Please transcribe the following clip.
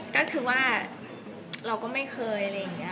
ก็คือว่าเราก็ไม่เคยอะไรอย่างนี้